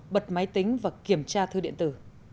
bật máy tính và kiểm tra thư điện tử